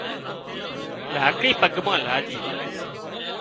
لاڪڙي پڳ مان لاڄي